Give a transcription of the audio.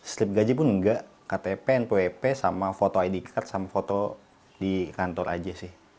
slip gaji pun enggak ktp npwp sama foto id card sama foto di kantor aja sih